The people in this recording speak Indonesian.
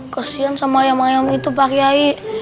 kesian sama ayam ayam itu pak kiai